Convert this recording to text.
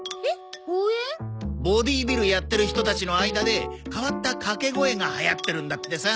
ボディービルやってる人たちの間で変わった掛け声が流行ってるんだってさ。